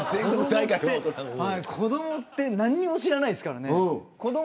子どもって何も知らないですからね。